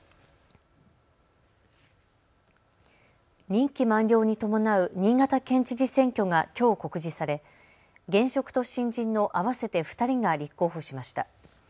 任期満了に伴う新潟県知事選挙がきょう告示され現職と新人の合わせて２人が立候補しました。